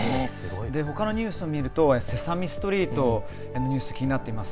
ほかのニュースを見ると「セサミストリート」のニュース気になっています。